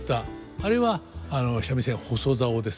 あれは三味線細棹ですね。